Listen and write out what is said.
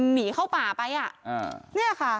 หนีเข้าป่าไปนี่ค่ะ